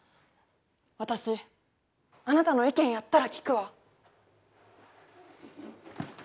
私あなたの意見やったら聞くわ。